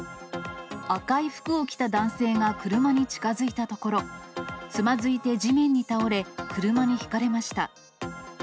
赤い服を着た男性が車に近づいたところ、つまずいて地面に倒れ車にひかれました。